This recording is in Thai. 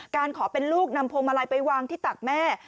ขอเป็นลูกนำพวงมาลัยไปวางที่ตักแม่